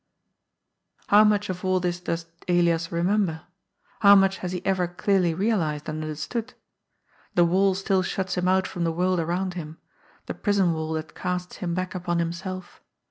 How much of all this does Elias remember ? How much has he ever clearly realized and understood ? The wall still shuts him out from the world around him, the prison wall that casts him back upon himself.